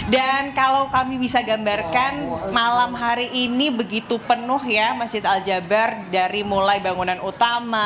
dan kalau kami bisa gambarkan malam hari ini begitu penuh ya masjid al jabar dari mulai bangunan utama